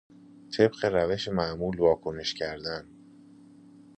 طبق روش معمول واکنش کردن